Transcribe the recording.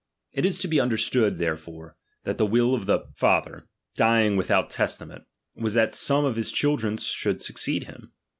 It is to be understood therefore, that the will of the I 124 DOMINION. AP. IX. father, dying without testament, was that some of his children should succeed him.